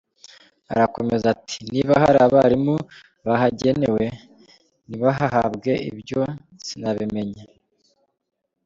Arakomeza ati “Niba hari abarimu bahagenewe ntibahahabwe, ibyo sinabimenya.